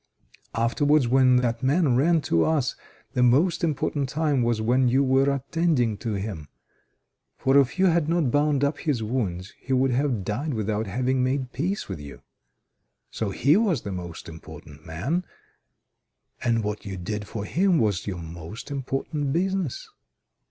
Afterwards when that man ran to us, the most important time was when you were attending to him, for if you had not bound up his wounds he would have died without having made peace with you. So he was the most important man, and what you did for him was your most important business.